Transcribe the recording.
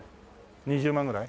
２０万ぐらい？